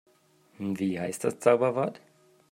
Wie heißt das Zauberwort?